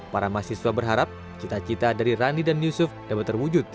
para mahasiswa berharap cita cita dari rani dan yusuf dapat terwujud